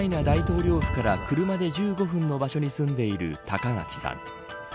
大統領府から車で１５分の場所に住んでいる高垣さん。